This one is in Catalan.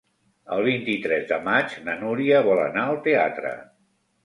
El vint-i-tres de maig na Núria vol anar al teatre.